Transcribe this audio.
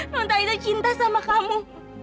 nontalita cinta sama kamu